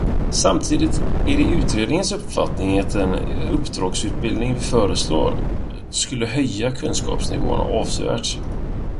Samtidigt är det utredningens uppfattning att den uppdragsutbildning vi föreslår skulle höja kunskapsnivån avsevärt.